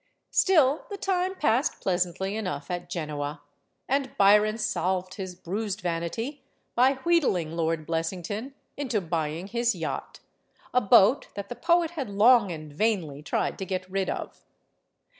Still, the time passed pleasantly enough at Genoa; and Byron salved his bruised vanity by wheedling Lord Biessington into buying his yacht a boat that the poet had long and vainly tried to get rid of.